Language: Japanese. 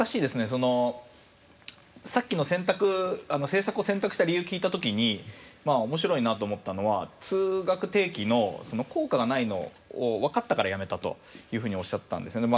そのさっきの選択政策を選択した理由聞いた時に面白いなと思ったのは通学定期の効果がないのを分かったからやめたというふうにおっしゃったんですよね。